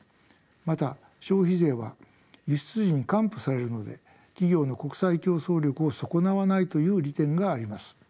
また消費税は輸出時に還付されるので企業の国際競争力を損なわないという利点があります。